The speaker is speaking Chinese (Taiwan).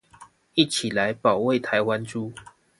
一起來保衛台灣豬